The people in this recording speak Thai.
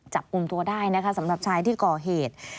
จับกลุ่มตัวได้นะคะสำหรับชายที่ก่อเหตุ